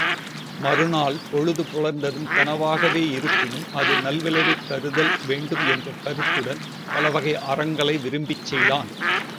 மறுநாள்பொழுது புலர்ந்ததும் கனவாகவே இருப்பினும் அது நல்விளைவைத் தருதல் வேண்டும் என்ற கருத்துடன் பலவகை அறங்களை விரும்பிச் செய்தான்.